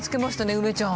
梅ちゃん。